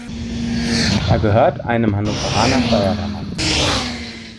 Er gehört einem Hannoveraner Feuerwehrmann.